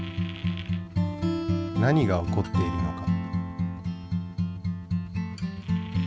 何が起こっているのか。